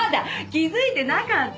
気づいてなかった？